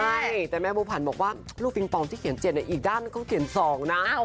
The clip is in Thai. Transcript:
ใช่แต่แม่บัวผันบอกว่าลูกปิงปองที่เขียน๗อีกด้านหนึ่งเขาเขียน๒นะ